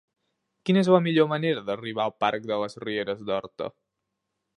Quina és la millor manera d'arribar al parc de les Rieres d'Horta?